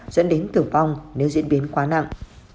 dẫn đến tử vong nếu diễn biến quá nặng